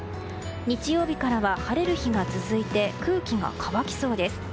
日曜日からは晴れる日が続いて空気が乾きそうです。